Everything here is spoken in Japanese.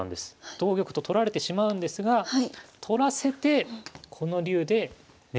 同玉と取られてしまうんですが取らせてこの竜でね？